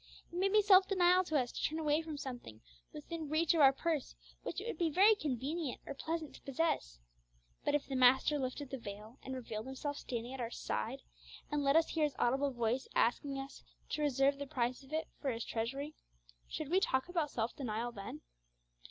It may be self denial to us to turn away from something within reach of our purse which it would be very convenient or pleasant to possess. But if the Master lifted the veil, and revealed Himself standing at our side, and let us hear His audible voice asking us to reserve the price of it for His treasury, should we talk about self denial then?